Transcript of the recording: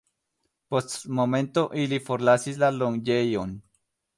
Post momento ili forlasis la loĝejon.